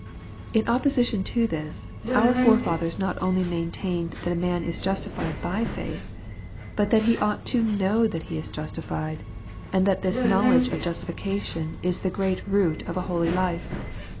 In opposition to this, our forefathers not only maintained that a man is justified by faith, but that he ought to know that he is justified, and that this knowledge of justification is the great root of a holy life.